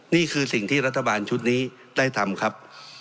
นี่คือสิ่งที่รัฐบาลชุดนี้ได้ทำครับ